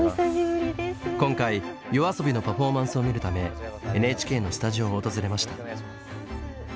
今回ＹＯＡＳＯＢＩのパフォーマンスを見るためＮＨＫのスタジオを訪れました。